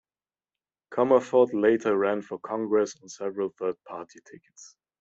Commerford later ran for Congress on several third party tickets.